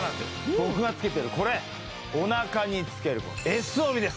僕がつけているこれおなかにつけるＳ帯です